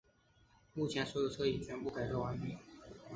目前所有车已全部改造完毕。